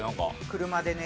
車でね